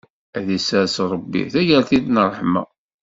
Ad d-issers Ṛebbi tagertilt n ṛṛeḥma!